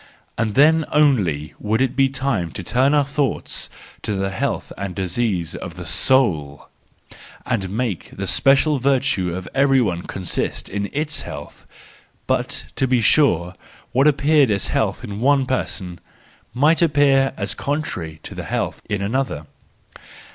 And then only would it be time to turn our thoughts to the health and disease of the soul and make the special virtue of everyone consist in its health; but, to be sure, what appeared as health in one person might appear as the con 164 the JOYFUL WISDOM, III trary of health in another.